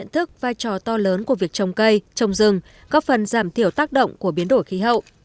thức vai trò to lớn của việc trồng cây trồng rừng góp phần giảm thiểu tác động của biến đổi khí hậu